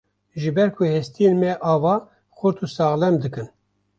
Ji ber ku hestiyên me ava, xurt û saxlem dikin.